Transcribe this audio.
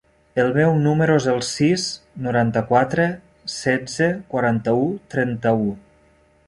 El meu número es el sis, noranta-quatre, setze, quaranta-u, trenta-u.